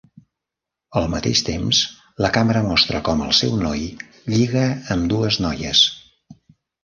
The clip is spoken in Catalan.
Al mateix temps, la càmera mostra com el seu noi lliga amb dues noies.